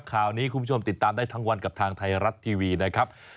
ข่าวนี้คุณผู้ชมติดตามได้ทั้งวันกับทางไทยรัฐทีวีนะครับ